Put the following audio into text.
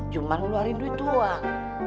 cuman ngeluarin duit uang